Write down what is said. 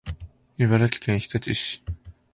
茨城県日立市